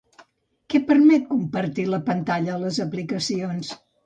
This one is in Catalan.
Què permet compartir la pantalla a les aplicacions?